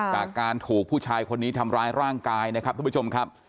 จากการถูกผู้ชายคนนี้ทำร้ายร่างกายนะครับทุกผู้ชมครับ